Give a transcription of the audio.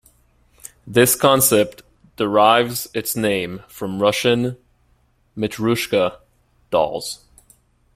This concept derives its name from Russian Matrioshka dolls.